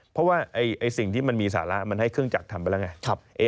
เพราะว่าสิ่งที่มันมีสาระมันให้เครื่องจักรทำไปแล้วไง